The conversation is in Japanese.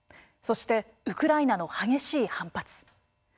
そして、ウクライナの激しい反発。